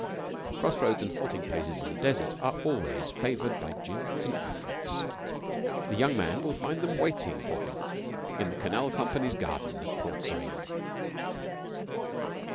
Cross roads and halting places in the desert are always favoured by djinns and afrits. The young man will find them waiting for him in the Canal Company's garden at Port Said.